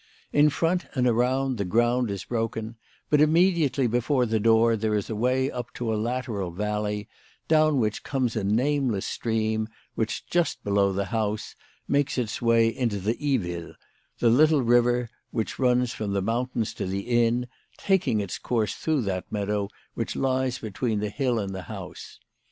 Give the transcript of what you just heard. In front and around the ground is broken, but immediately before the door there is a way up to a lateral valley, down which comes a nameless stream which, just below the house, makes its way into the Ivil, the little riyer which runs from the mountain to the inn, taking its course through that meadow which lies between the hill and the house.